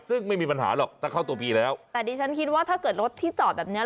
ซึ่งไม่มีปัญหาหรอกถ้าเข้าตัวพีแล้วแต่ดิฉันคิดว่าถ้าเกิดรถที่จอดแบบเนี้ย